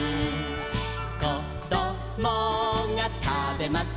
「こどもがたべます